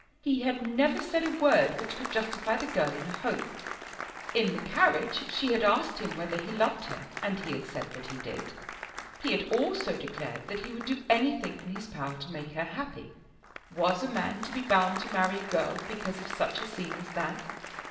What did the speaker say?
He had never said a word which could justify the girl in a hope. In the carriage she had asked him whether he loved her, and he had said that he did. He had also declared that he would do anything in his power to make her happy. Was a man to be bound to marry a girl because of such a scene as that?